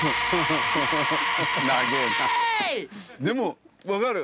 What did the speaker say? でも分かる。